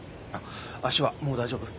足はもう大丈夫？